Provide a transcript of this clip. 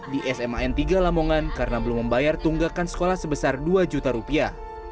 di sma n tiga lamongan karena belum membayar tunggakan sekolah sebesar dua juta rupiah